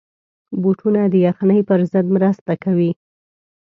بوټونه د یخنۍ پر ضد مرسته کوي.